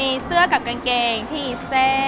มีเสื้อกับกางเกงที่เซ